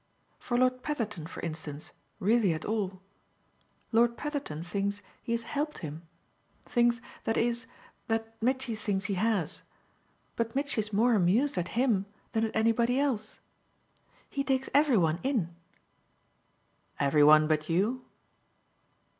For Lord Petherton, for instance, really at all. Lord Petherton thinks he has helped him thinks, that is, that Mitchy thinks he has. But Mitchy's more amused at HIM than at anybody else. He takes every one in." "Every one but you?"